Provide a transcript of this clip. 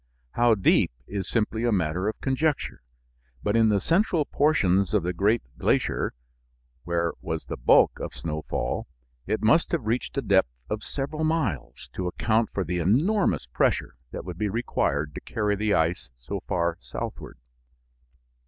How deep, is simply a matter of conjecture, but in the central portions of the great glacier, where was the bulk of snowfall, it must have reached a depth of several miles to account for the enormous pressure that would be required to carry the ice so far southward.